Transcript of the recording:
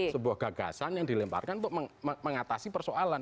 sebuah gagasan yang dilemparkan untuk mengatasi persoalan